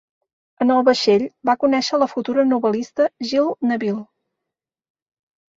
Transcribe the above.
En el vaixell va conèixer a la futura novel·lista Jill Neville.